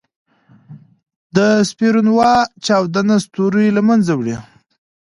د سپرنووا چاودنه ستوری له منځه وړي.